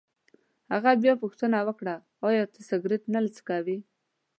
هغه بیا پوښتنه وکړه: ایا ته سګرېټ نه څکوې؟